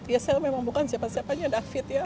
ya saya memang bukan siapa siapanya david ya